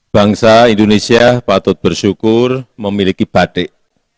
bangsa indonesia patut bersyukur memiliki batik